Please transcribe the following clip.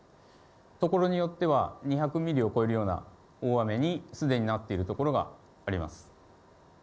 所によっては、２００ミリを超えるような大雨に、すでになっている所があります。